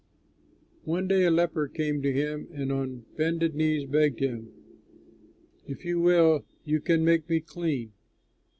One day a leper came to him and on bended knees begged him: "If you will, you can make me clean."